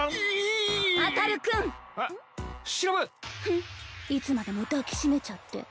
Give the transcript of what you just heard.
フンいつまでも抱き締めちゃって。